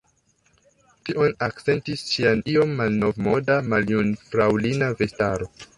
Tion akcentis ŝia iom malnovmoda, maljunfraŭlina vestaro.